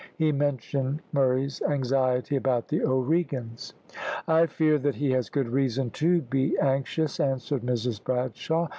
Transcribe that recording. He mentioned Murray's anxiety about the O'Regans. "I fear that he has good reason to be anxious," answered Mrs Bradshaw.